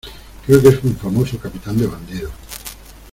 creo que es un famoso capitán de bandidos.